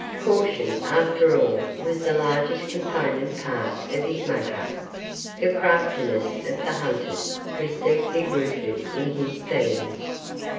Caution, after all, was the largest component part of his makeup; the craftiness of the hunted was deeply rooted in his being.